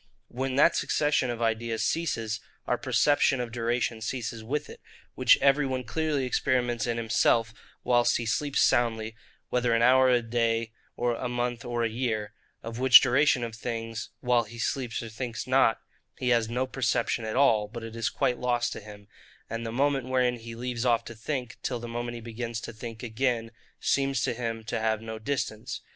When that succession of ideas ceases, our perception of duration ceases with it; which every one clearly experiments in himself, whilst he sleeps soundly, whether an hour or a day, a month or a year; of which duration of things, while he sleeps or thinks not, he has no perception at all, but it is quite lost to him; and the moment wherein he leaves off to think, till the moment he begins to think again, seems to him to have no distance.